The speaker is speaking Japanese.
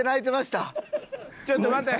ちょっと待て。